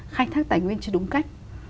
khai thác tài nguyên chưa đúng cách